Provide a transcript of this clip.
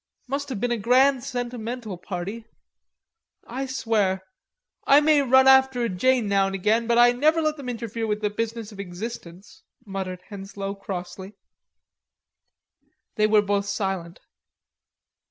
"Must have been a grand sentimental party.... I swear.... I may run after a Jane now and again but I never let them interfere with the business of existence," muttered Henslowe crossly. They were both silent.